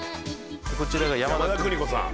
こちらが山田邦子さん